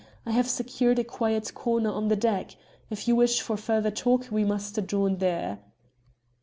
I have secured a quiet corner of the deck. If you wish for further talk we must adjourn there."